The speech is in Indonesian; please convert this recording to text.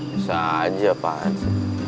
bisa aja pak